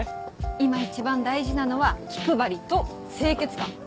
今一番大事なのは気配りと清潔感。